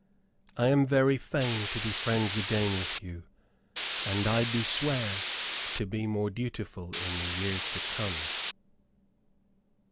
I am very fain to be friends again with you, and I do swear to be more dutiful in the years to come.